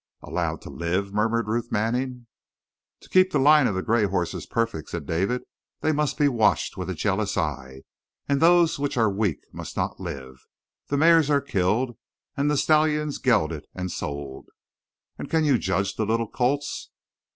"Allowed to live?" murmured Ruth Manning. "To keep the line of the gray horse perfect," said David, "they must be watched with a jealous eye, and those which are weak must not live. The mares are killed and the stallions gelded and sold." "And can you judge the little colts?"